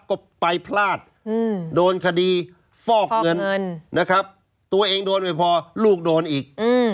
แล้วก็ไปพลาดโดนคดีฟอกเงินตัวเองโดนไม่พอลูกโดนอีก